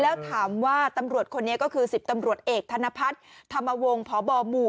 แล้วถามว่าตำรวจคนนี้ก็คือ๑๐ตำรวจเอกธนพัฒน์ธรรมวงศ์พบหมู่